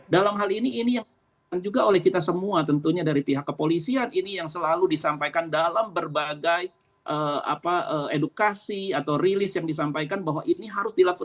dalam hal ini ini yang juga oleh kita semua tentunya dari pihak kepolisian ini yang selalu disampaikan dalam berbagai edukasi atau rilis yang disampaikan bahwa ini harus dilakukan